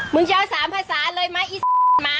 มึงจะเอา๓ภาษาเลยมั้ยอี้หมา